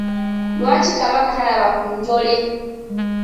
Lwaki Kabaka talaba ku njole?